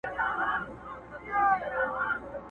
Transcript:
چي دا عرض به مي څوک یوسي تر سلطانه!!